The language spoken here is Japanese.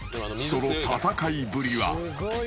［その戦いぶりは？］